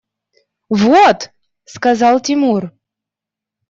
– Вот! – сказал Тимур.